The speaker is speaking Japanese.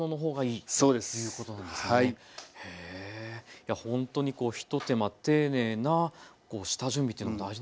いやほんとにひと手間丁寧な下準備というのが大事なんですね。